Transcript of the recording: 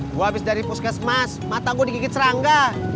gue habis dari puskesmas mata gue digigit serangga